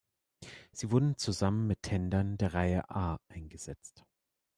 Sie wurden zusammen mit Tendern der Reihe "A" eingesetzt.